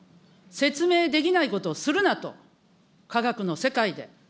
説明できないことをするなと、科学の世界で。